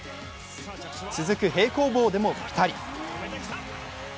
続く平行棒でもピタリ。